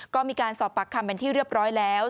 ก็มีการสอบปากคำเป็นที่เรียบร้อยแล้ว